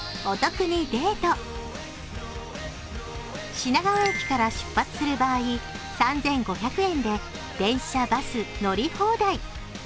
品川駅から出発する場合、３５００円で電車、バス乗り放題。